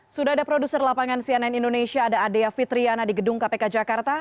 sudah ada produser lapangan cnn indonesia ada adia fitriana di gedung kpk jakarta